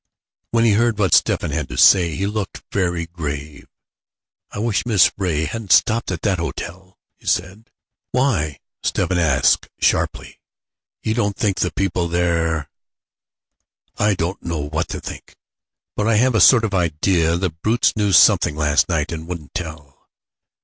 When he heard what Stephen had to say, he looked very grave. "I wish Miss Ray hadn't stopped at that hotel," he said. "Why?" Stephen asked sharply. "You don't think the people there " "I don't know what to think. But I have a sort of idea the brutes knew something last night and wouldn't tell."